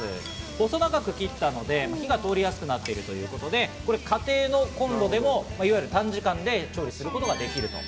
細長く切ったので火が通りやすくなっているということで家庭のコンロでも短時間で調理することができると。